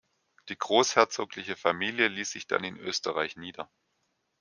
Die großherzogliche Familie ließ sich dann in Österreich nieder.